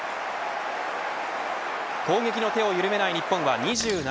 攻撃の手を緩めない日本は２７分。